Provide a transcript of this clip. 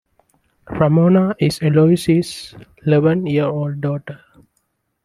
Ramona is Eloise's eleven-year-old daughter.